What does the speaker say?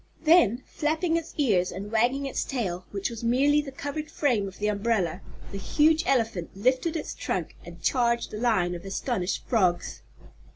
Then, flapping its ears and wagging its tail which was merely the covered frame of the umbrella the huge elephant lifted its trunk and charged the line of astonished frogs.